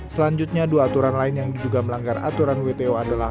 selanjutnya dua aturan lain yang diduga melanggar aturan wto adalah